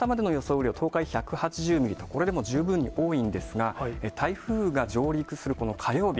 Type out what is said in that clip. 雨量、東海１８０ミリとこれでも十分に多いんですが、台風が上陸するこの火曜日